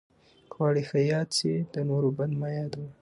که غواړې ښه یاد سې، د نور بد مه یاد وه.